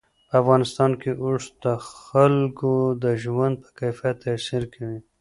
په افغانستان کې اوښ د خلکو د ژوند په کیفیت تاثیر کوي.